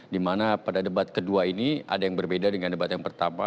dimana pada debat kedua ini ada yang berbeda dengan debat yang pertama